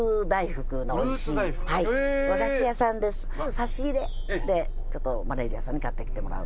差し入れでマネジャーさんに買ってきてもらう。